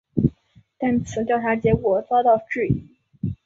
但此调查结果遭到质疑。